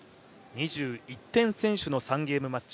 ２１点先取の３ゲームマッチ